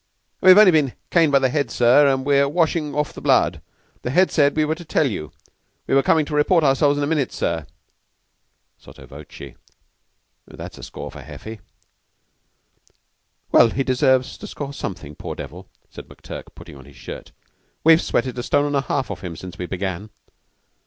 "We've only been caned by the Head, sir, and we're washing off the blood. The Head said we were to tell you. We were coming to report ourselves in a minute, sir. (Sotto voce.) That's a score for Heffy!" "Well, he deserves to score something, poor devil," said McTurk, putting on his shirt. "We've sweated a stone and a half off him since we began."